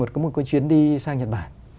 có một cái chuyến đi sang nhật bản